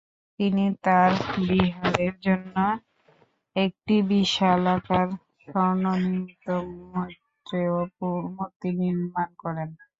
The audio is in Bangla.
তিনি তার বিহারের জন্য একটি বিশালাকার স্বর্ণনির্মিত মৈত্রেয় মূর্তি নির্মাণ করান।